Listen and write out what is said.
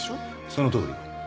そのとおり。